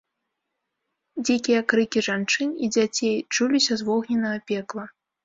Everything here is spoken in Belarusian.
Дзікія крыкі жанчын і дзяцей чуліся з вогненнага пекла.